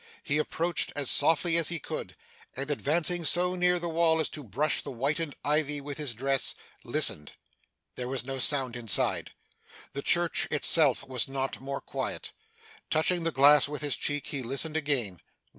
He approached as softly as he could, and advancing so near the wall as to brush the whitened ivy with his dress, listened. There was no sound inside. The church itself was not more quiet. Touching the glass with his cheek, he listened again.